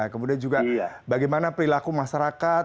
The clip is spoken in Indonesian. kemudian juga bagaimana perilaku masyarakat